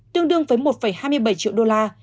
tương đương với một hai mươi bảy triệu đô la